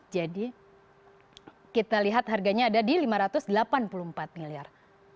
jadi kita lihat harganya ada di lima ratus delapan puluh empat miliar